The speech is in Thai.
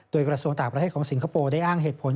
โดยกระทรวงต่างประเทศของสิงคโปร์ได้อ้างเหตุผล